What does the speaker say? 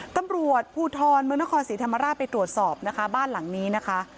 ตำรวจภูทรเมืองนครศรีธรรมราชไปตรวจสอบนะคะบ้านหลังนี้นะคะ